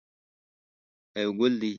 دا یو ګل دی.